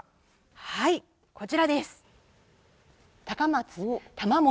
はいこちらです。